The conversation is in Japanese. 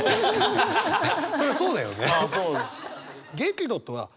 そりゃそうだよね。